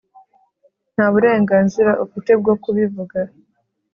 nta burenganzira ufite bwo kubivuga